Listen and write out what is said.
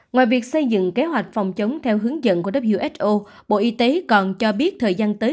ngoài việc xây dựng kế hoạch phòng chống theo hướng dẫn của who bộ y tế còn cho biết thời gian tới